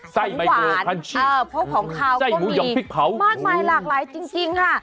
ไส้ไมโครพันชิไส้หมูหย่องพริกเผาอ่าพวกของเขาก็มีมากมายหลากหลายจริงค่ะ